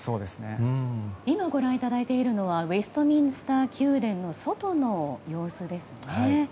今ご覧いただいているのはウェストミンスター宮殿の外の様子ですね。